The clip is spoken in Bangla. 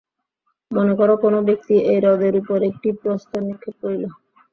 মনে কর, কোন ব্যক্তি এই হ্রদের উপর একটি প্রস্তর নিক্ষেপ করিল।